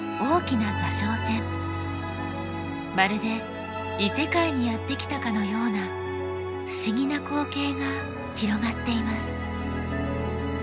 まるで異世界にやって来たかのような不思議な光景が広がっています。